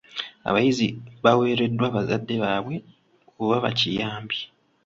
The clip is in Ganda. Abayizi baweererwa bazadde baabwe oba bakiyambi.